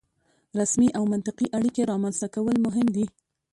رسمي او منطقي اړیکې رامنځته کول مهم دي.